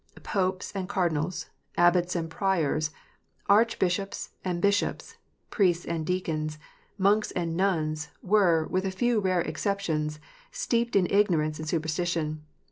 " Popes and Cardinals, Abbots and Priors, Arch bishops and Bishops, Priests and Deacons, Monks and Nuns, were, with a few rare exceptions, steeped in ignorance and superstition.